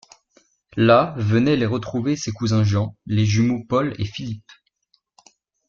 Là venaient les retrouver ses cousins Jean, les jumeaux Paul et Philippe.